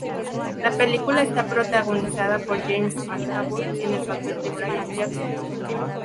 La película está protagonizada por James McAvoy en el papel de Brian Jackson.